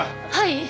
はい！